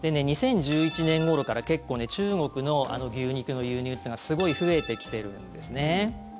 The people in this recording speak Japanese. ２０１１年ごろから結構、中国の牛肉の輸入がすごい増えてきているんですね。